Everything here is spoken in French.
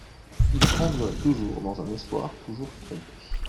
Il endurait toujours, dans un espoir toujours trompé.